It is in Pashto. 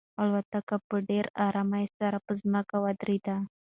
الوتکه په ډېر ارام سره په ځمکه ودرېده.